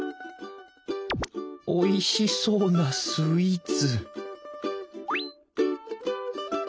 おいしそうなスイーツ！